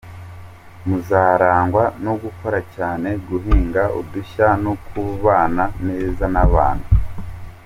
Muzarangwa no gukora cyane, guhinga udushya no kubana neza n’abantu.